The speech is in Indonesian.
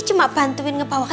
terima kasih ya sayang